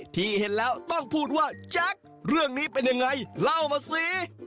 ที่เห็นแล้วต้องพูดว่าแจ๊คเรื่องนี้เป็นยังไงเล่ามาสิ